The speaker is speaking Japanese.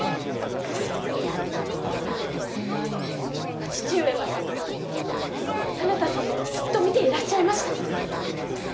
お義父上はあなた様をずっと見ていらっしゃいました。